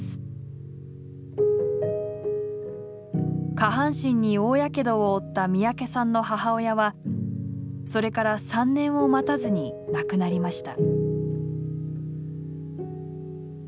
下半身に大やけどを負った三宅さんの母親はそれから３年を待たずに亡くなりました。